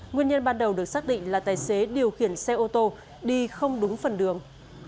nguyên nhân ban đầu được xác định là tài xế điều khiển xe ô tô đi không đúng phần đường